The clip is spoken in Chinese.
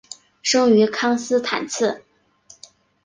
生于康斯坦茨。